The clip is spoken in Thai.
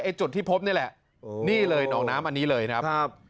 จุดที่พบนี่แหละนี่เลยหนองน้ำอันนี้เลยครับ